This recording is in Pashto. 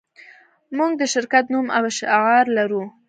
موږ د شرکت نوم او شعار لرو